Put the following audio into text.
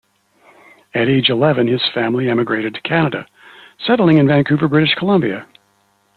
At age eleven, his family emigrated to Canada, settling in Vancouver, British Columbia.